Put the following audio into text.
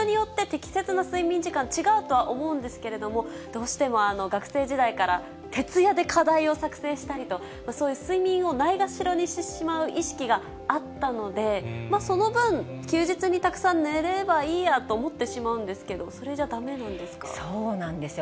人によって、適切な睡眠時間、違うとは思うんですけれども、どうしても学生時代から、徹夜で課題を作成したりと、そういう睡眠をないがしろにしてしまう意識があったので、その分、休日にたくさん寝ればいいやと思ってしまうんですけど、それじゃそうなんですよ。